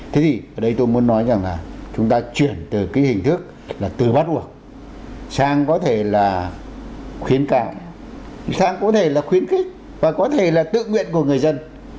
thế thì ở đây tôi muốn nói rằng là chúng ta chuyển từ cái hình thức là từ bắt buộc sang có thể là khuyến cáo sang có thể là khuyến khích và có thể là tự nguyện của người dân